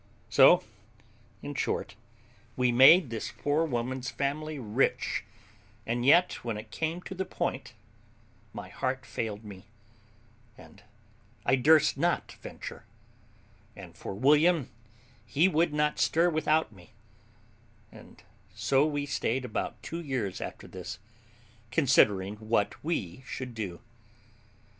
So, in short, we made this poor woman's family rich; and yet, when it came to the point, my heart failed me, and I durst not venture; and for William, he would not stir without me; and so we stayed about two years after this, considering what we should do.